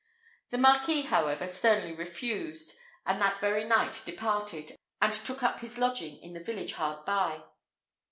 The Marquis, however, sternly refused, and that very night departed, and took up his lodging at the village hard by.